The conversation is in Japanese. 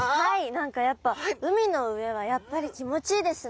何かやっぱ海の上はやっぱり気持ちいいですね。